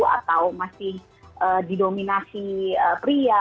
atau masih didominasi pria